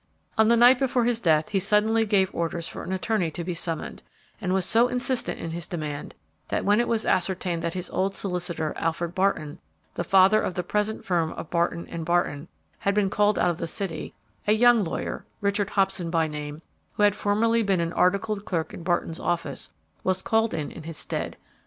"On the night before his death he suddenly gave orders for an attorney to be summoned, and was so insistent in his demand, that, when it was ascertained that his old solicitor, Alfred Barton, the father of the present firm of Barton & Barton, had been called out of the city, a young lawyer, Richard Hobson by name, who had formerly been an articled clerk in Barton's office, was called in in his stead.